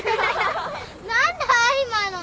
何だ今の。